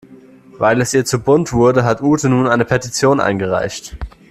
Weil es ihr zu bunt wurde, hat Ute nun eine Petition eingereicht.